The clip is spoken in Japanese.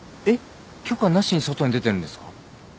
えっ許可なしに外に出てるんですか？